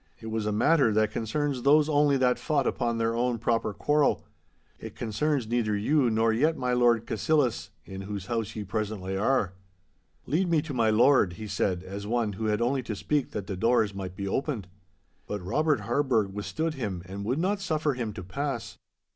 It was a matter that concerns those only that fought upon their own proper quarrel. It concerns neither you nor yet my Lord Cassillis, in whose house ye presently are.' 'Lead me to my lord!' he said, as one who had only to speak that the doors might be opened. But Robert Harburgh withstood him and would not suffer him to pass.